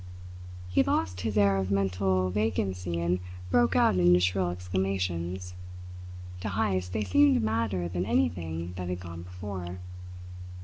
He lost his air of mental vacancy and broke out into shrill exclamations. To Heyst they seemed madder than anything that had gone before.